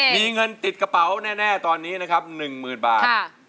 มีเงินติดกระเป๋าแน่นะครับ๑หมื่นบาท